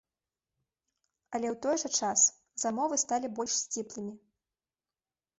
Але, у той жа час, замовы сталі больш сціплымі.